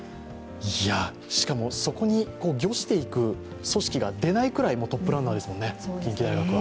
しかも、そこに御していく組織がでないくらいトップランナーですもんね、近畿大学は。